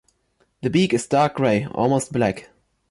The beak is dark grey, almost black.